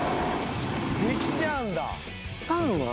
できちゃうんだ。